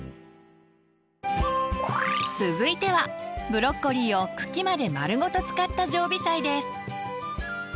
続いてはブロッコリーを茎まで丸ごと使った常備菜です。